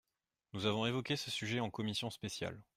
Nous avons évoqué ce sujet en commission spéciale.